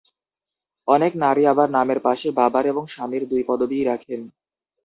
অনেক নারী আবার নামের পাশে বাবার এবং স্বামীর দুই পদবিই রাখেন।